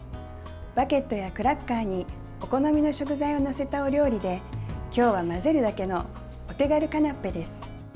バゲットやクラッカーにお好みの食材を載せたお料理で今日は混ぜるだけのお手軽カナッペです。